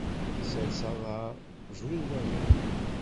Sers aḍar, bru i wayeḍ.